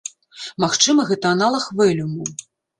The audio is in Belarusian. Магчыма, гэта аналаг вэлюму.